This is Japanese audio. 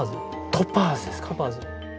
トパーズ。